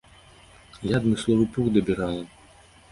Я адмысловы пух дабірала.